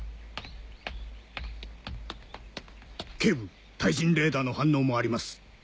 警部対人レーダーの反応もあります。